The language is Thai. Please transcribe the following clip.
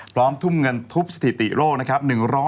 ทุ่มเงินทุบสถิติโลกนะครับ